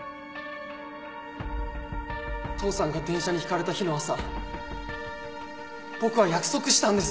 父さんが電車にひかれた日の朝僕は約束したんです。